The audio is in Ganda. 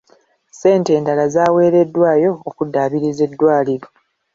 Ssente endala zaaweereddwayo okuddaabiriza eddwaliro.